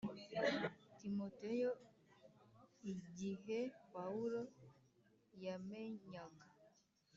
Timoteyo Igihe Pawulo yamenyaga